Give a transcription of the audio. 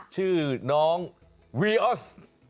ชื่อน้องวีออส